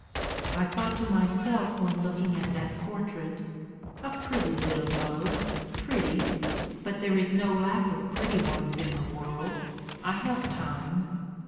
I thought to myself when looking at that portrait: 'A pretty little rogue, pretty; but there is no lack of pretty ones in the world. I have time.'